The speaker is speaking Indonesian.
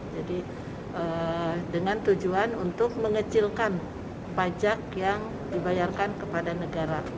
jadi dengan tujuan untuk mengecilkan pajak yang dibayarkan kepada negara